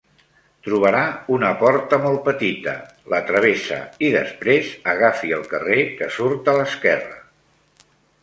Trobarà una porta molt petita, la travessa, i després agafi el carrer que surt a l'esquerra.